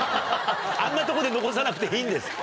あんなとこで残さなくていいんです。